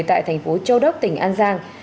của thành phố châu đốc tỉnh an giang